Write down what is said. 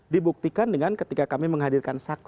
dibuktikan dengan ketika kami menghadirkan saksi